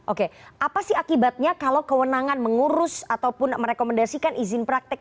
oke apa sih akibatnya kalau kewenangan mengurus ataupun merekomendasikan izin praktek